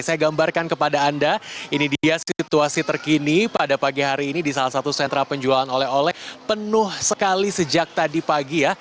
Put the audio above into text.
saya gambarkan kepada anda ini dia situasi terkini pada pagi hari ini di salah satu sentra penjualan oleh oleh penuh sekali sejak tadi pagi ya